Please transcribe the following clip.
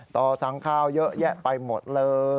ต่อสั่งข้าวเยอะแยะไปหมดเลย